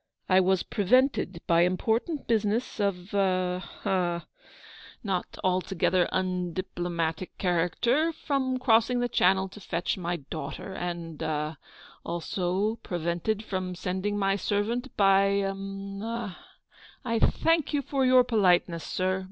I was pre vented by important business of — a — haw — not altogether undiplomatic character— from crossing the Channel to fetch my daughter; and — aw — also — prevented from sending my servant — by— GOING HOME. 17 aw — I thank you for your politeness, sir.